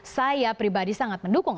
saya pribadi sangat mendukung